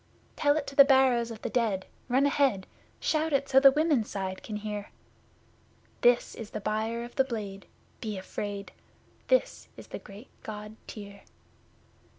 Tell it to the Barrows of the Dead run ahead! Shout it so the Women's Side can hear! This is the Buyer of the Blade be afraid! This is the great God Tyr!